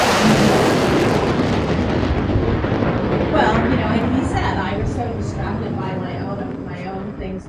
Marshall took over from Patrick Campbell.